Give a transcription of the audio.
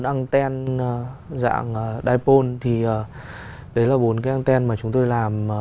cái anten dạng dipole thì đấy là bốn cái anten mà chúng tôi làm